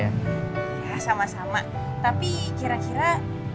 ya sama sama tapi kira kira